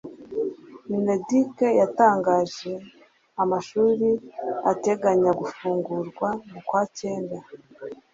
mineduc yatangaje amashuri ateganya gufungurwa mukwacyenda